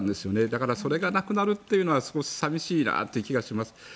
だからそれがなくなるというのは寂しいなという気がします。